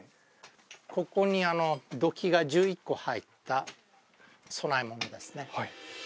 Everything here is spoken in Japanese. ここに土器が１１個入った供え物ですね